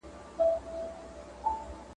تعلیم یافته کسان په ټولنه کي د ډېر احترام وړ وي.